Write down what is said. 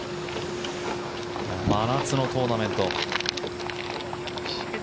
真夏のトーナメント。